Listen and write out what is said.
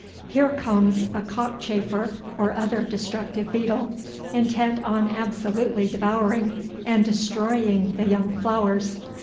Here comes a cockchafer or other destructive beetle, intent on absolutely devouring and destroying the young flowers.